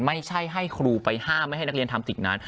ไม่ใช่ให้ครูไปห้ามไม่ให้นักเรียนทำสิ่งนั้น